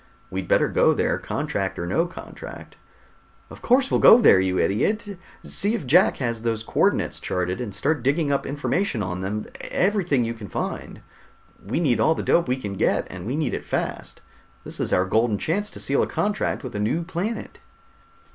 "We'd better go there, contract or no contract." "Of course we'll go there, you idiot. See if Jack has those co ordinates charted, and start digging up information on them, everything you can find. We need all of the dope we can get and we need it fast. This is our golden chance to seal a contract with a new planet."